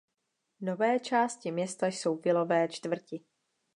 Nové části města jsou vilové čtvrti.